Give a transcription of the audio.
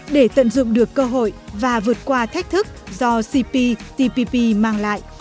để tận dụng được cơ hội và vượt qua thách thức do cptpp mang lại